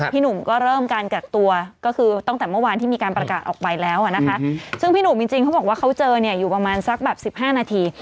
พี่หนุ่มก็เริ่มการกักตัวก็คือตั้งแต่เมื่อวานที่มีการประกาศออกไปแล้วนะคะซึ่งพี่หนุ่มจริงเขาบอกว่าเขาเจอเนี่ยอยู่ประมาณสักแบบ๑๕นาที